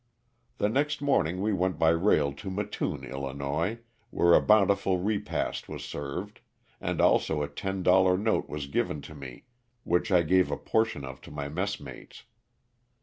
The next morning we went by rail to Mattoon, 111., where a bountiful repast was served, and also a ten dollar note was given to me which I gave a portion of to my messmates.